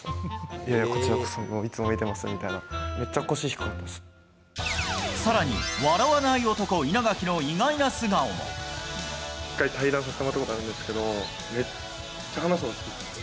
いやいや、こちらこそいつも見てますみたいな、めっちゃ腰低かっさらに、笑わない男、稲垣の一回、対談させてもらったことあるんですけど、めっちゃ話すの好き。